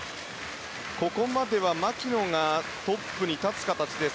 ここまでは牧野がトップに立つ形です。